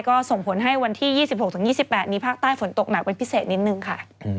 ก็ส่งผลให้วันที่๒๖๒๘มีภาคใต้ฝนตกหนักเป็นพิเศษนิดนึงค่ะ